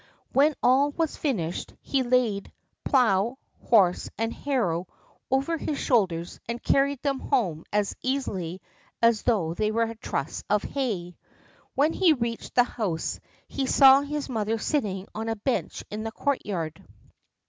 When all was finished, he laid plow, horse, and harrow over his shoulders and carried them home as easily as though they were a truss of hay. When he reached the house, he saw his mother sitting on a bench in the courtyard.